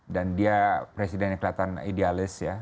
dan dia presiden yang kelihatan idealis ya